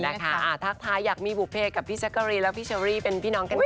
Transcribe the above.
นะคะทักทายอยากมีบุเฟตกับพี่ซักกะรีแล้วพี่เชอรี่เป็นพี่น้องกันค่ะ